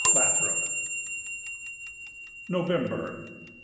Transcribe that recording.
—Lathrop. November.